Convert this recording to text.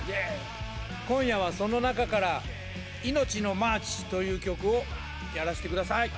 今夜はその中から『イノチノマーチ』という曲をやらせてください。